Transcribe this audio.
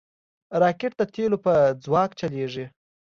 راکټ د تیلو په ځواک چلیږي